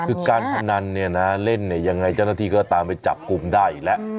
คือการพนันเนี่ยนะเล่นเนี่ยยังไงเจ้าหน้าที่ก็ตามไปจับกลุ่มได้อีกแล้ว